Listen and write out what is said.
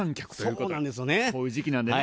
こういう時期なんでね。